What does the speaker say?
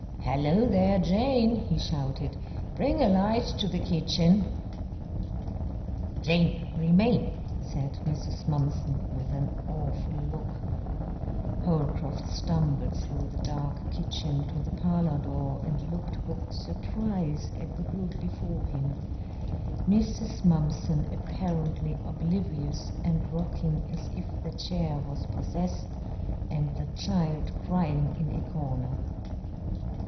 "Hello, there, Jane!" he shouted, "bring a light to the kitchen." "Jane, remain!" said Mrs. Mumpson, with an awful look. Holcroft stumbled through the dark kitchen to the parlor door and looked with surprise at the group before him, Mrs. Mumpson apparently oblivious and rocking as if the chair was possessed, and the child crying in a corner.